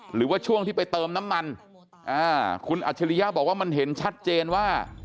หรือว่าช่วงที่ไปเติมน้ำมันคุณอัจฉริยะบอกว่ามันเห็นชัดเจนว่า